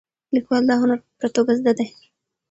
لیکوال دا هنر په پوره توګه زده دی.